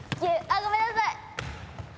９あっごめんなさい！